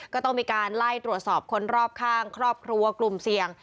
ก็ต้องมีการไล่ตรวจสอบคนรอบข้างครอบครัวกลุ่มเสี่ยง